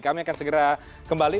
kami akan segera kembali